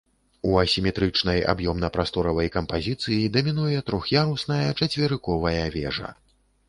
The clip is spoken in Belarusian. У асіметрычнай аб'ёмна-прасторавай кампазіцыі дамінуе трох'ярусная чацверыковая вежа.